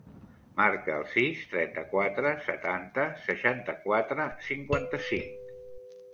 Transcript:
Marca el sis, trenta-quatre, setanta, seixanta-quatre, cinquanta-cinc.